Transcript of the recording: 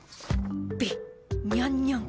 Ｂにゃんにゃん。